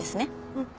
うん。